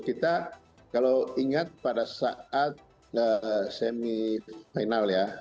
kita kalau ingat pada saat semifinal ya